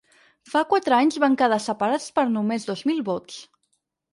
Fa quatre anys van quedar separats per només dos mil vots.